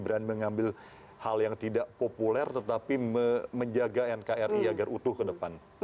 berani mengambil hal yang tidak populer tetapi menjaga nkri agar utuh ke depan